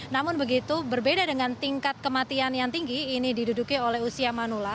namun begitu berbeda dengan tingkat kematian yang tinggi ini diduduki oleh usia manula